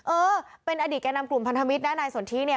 เออเป็นอดีตแก่นำกลุ่มพันธมิตรนะนายสนทิเนี่ย